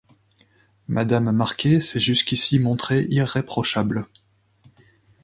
Madame Marquet s'est jusqu'ici montrée irréprochable.